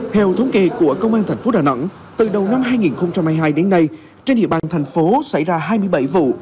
theo thống kê của công an tp đà nẵng từ đầu năm hai nghìn hai mươi hai đến nay trên địa bàn thành phố xảy ra hai mươi bảy vụ